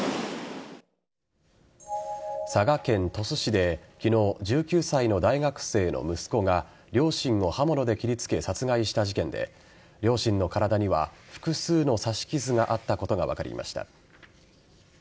佐賀県鳥栖市で昨日、１９歳の大学生の息子が両親を刃物で切りつけ殺害した事件で両親の体には複数の刺し傷があったことが分かりました。